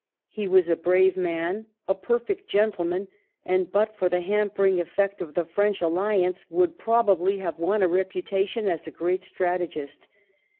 He was a brave man, a perfect gentleman, and but for the hampering effect of the French alliance would probably have won a reputation as a great strategist.